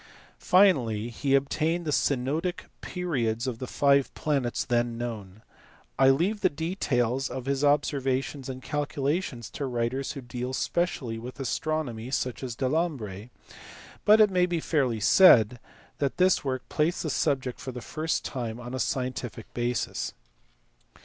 Finally he obtained the synodic periods of the five planets then known. I leave the details of his observations and calculations to writers who deal specially with astronomy such as Delambre ; but it may be fairly said that this work placed the subject for the first time on a scientific basis.